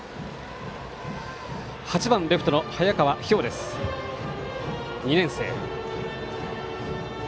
８番レフトの早川飛翔、２年生。